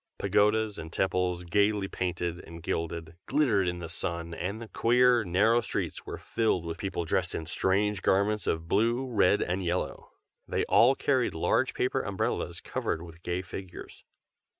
Pagodas and temples, gaily painted, and gilded, glittered in the sun, and the queer, narrow streets were filled with people dressed in strange garments of blue, red, and yellow. They all carried large paper umbrellas covered with gay figures.